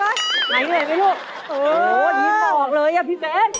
โอ้โฮยิ้มออกเลยอะพี่เฟ้น